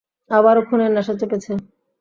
আবারো খুনের নেশা চেপেছে।